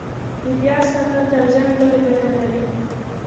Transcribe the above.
د پیاز ساتل تر ژمي پورې ګټه لري؟